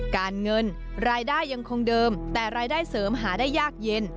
การเงินรายได้ยังคงเดิมแต่รายได้เสริมหาได้ยากเย็น